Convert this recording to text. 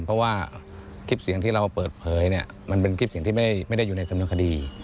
เพราะว่าคลิปเสียงที่เราเปิดเผยเนี่ยมันเป็นคลิปเสียงที่ไม่ได้อยู่ในสำนวนคดี